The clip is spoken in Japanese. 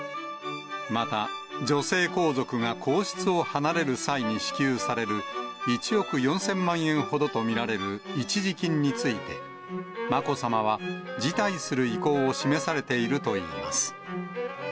また、女性皇族が皇室を離れる際に支給される、１億４０００万円ほどと見られる一時金について、まこさまは辞退する意向を示されているといいます。